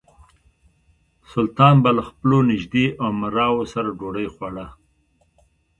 سلطان به له خپلو نژدې امراوو سره ډوډۍ خوړه.